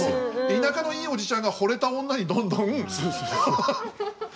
田舎のいいおじちゃんがほれた女にどんどんということですよね。